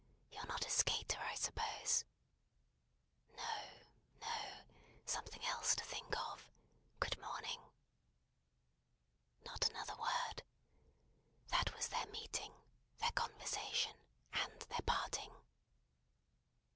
You're not a skater, I suppose?" "No. No. Something else to think of. Good morning!" Not another word. That was their meeting, their conversation, and their parting.